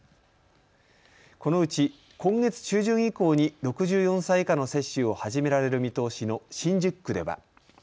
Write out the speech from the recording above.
このうち今月中旬以降に６４歳以下の接種を始められる見通しの新宿区では。